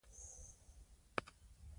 دوی د الله اکبر ناره کوله.